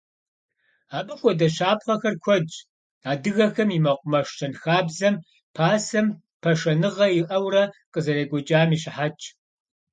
Абы хуэдэ щапхъэхэр куэдщ, адыгэхэм и мэкъумэш щэнхабзэм пасэм пашэныгъэ иӀэурэ къызэрекӀуэкӀам и щыхьэтщ.